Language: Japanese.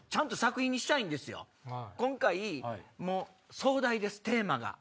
今回壮大ですテーマが。